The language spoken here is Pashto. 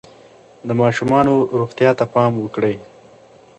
د ماشومانو روغتیا ته پام وکړئ.